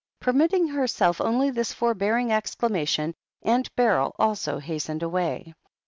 Permitting herself only this forbearing exclamation. Aunt Beryl also had hastened away.